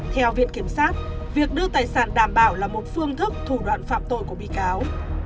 theo viện kiểm sát việc đưa tài sản đảm bảo là một phương thức thủ đoạn phạm tội của bị cáo